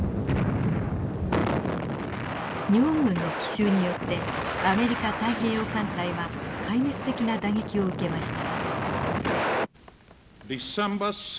日本軍の奇襲によってアメリカ太平洋艦隊は壊滅的な打撃を受けました。